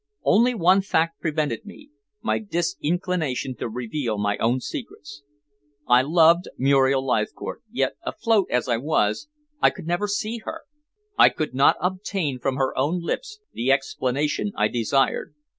Only one fact prevented me my disinclination to reveal my own secrets. I loved Muriel Leithcourt, yet, afloat as I was, I could never see her I could not obtain from her own lips the explanation I desired.